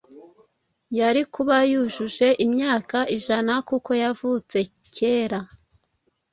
yari kuba yujuje imyaka ijana kuko yavutse kcyera